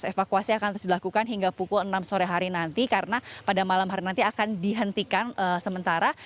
evakuasi akan terus dilakukan hingga pukul enam sore hari nanti karena pada malam hari nanti akan dihentikan sementara